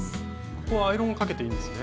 ここはアイロンかけていいんですね。